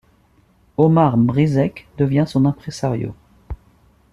Omar M'Rizek devient son imprésario.